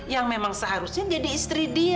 yang memang seharusnya menjadi istri dia